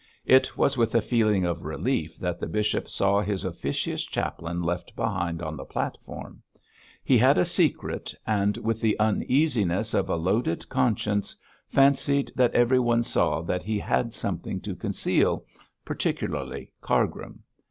It was with a feeling of relief that the bishop saw his officious chaplain left behind on the platform. He had a secret, and with the uneasiness of a loaded conscience, fancied that everyone saw that he had something to conceal particularly Cargrim.